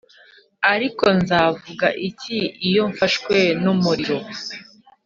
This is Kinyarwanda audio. ariko nzavuga iki iyo mfashwe n'umuriro